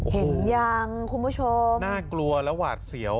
เห็นยังคุณผู้ชมน่ากลัวและหวาดเสียว